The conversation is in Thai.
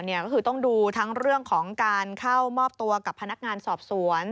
ก็คือต้องดูทั้งเรื่องของการเข้ามอบตัวกับพนักงานสอบสวน